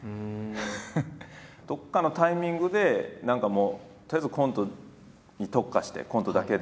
どっかのタイミングで何かもうとりあえずコントに特化してコントだけで。